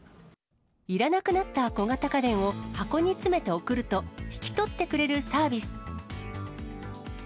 いらなくなった小型家電を箱に詰めて送ると引き取ってくれるサービス。